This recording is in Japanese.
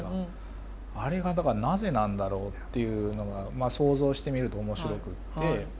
あれがだからなぜなんだろうっていうのが想像してみると面白くって。